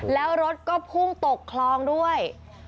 แล้วรถก็พุ่งตกคลองด้วย